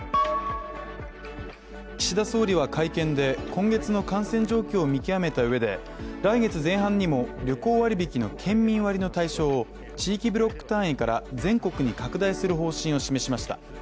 岸田総理は会見で、今月の感染状況を見極めた上で、来月前半にも旅行割引の県民割の対象を地域ブロック単位から全国に拡大する方針を示しました。